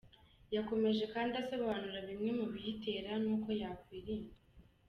Yakomeje kandi asobanura bimwe mu biyitera n’uko yakwirindwa.